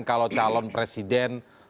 kalau calon presiden